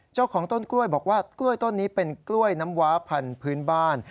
เจ้าของต้นกล้วยบอกว่ากล้วยต้นนี้เป็นกล้วยน้ำว้าพันธุ์พื้นบ้าน